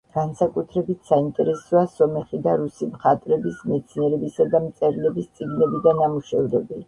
განსაკუთრებით საინტერესოა სომეხი და რუსი მხატვრების, მეცნიერებისა და მწერლების წიგნები და ნამუშევრები.